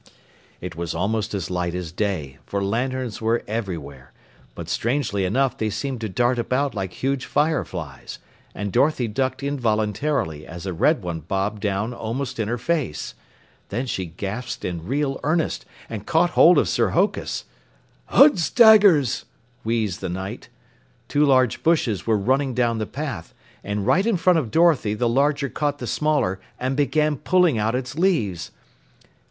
It was almost as light as day, for lanterns were everywhere, but strangely enough they seemed to dart about like huge fireflies, and Dorothy ducked involuntarily as a red one bobbed down almost in her face. Then she gasped in real earnest and caught hold of Sir Hokus. "Uds daggers!" wheezed the Knight. Two large bushes were running down the path, and right in front of Dorothy the larger caught the smaller and began pulling out its leaves.